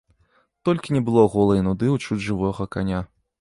Толькі не было голай нуды ў чуць жывога каня.